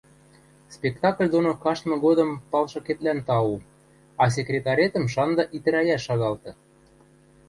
Спектакль доно каштмы годым палшыкетлӓн тау, а секретаретӹм шанды итӹрӓйӓш шагалты...